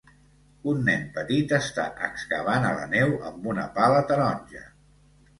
Un nen petit està excavant a la neu amb una pala taronja